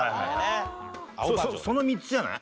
その３つじゃない？